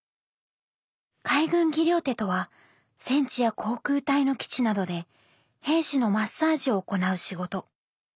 海軍技療手とは戦地や航空隊の基地などで兵士のマッサージを行う仕事。